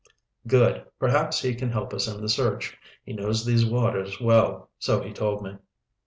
"Good. Perhaps he can help us in the search. He knows these waters well, so he told me."